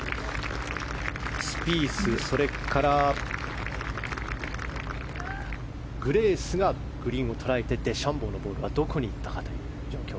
スピース、そしてグレースがグリーンを捉えてデシャンボーのボールがどこにいったかという状況。